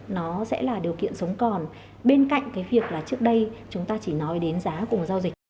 nó sẽ là điều kiện sống còn bên cạnh cái việc là trước đây chúng ta chỉ nói đến giá cùng giao dịch